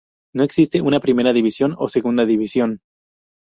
No existe una "Primera División" o "Segunda División".